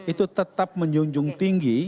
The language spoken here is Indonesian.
itu tetap menjunjung tinggi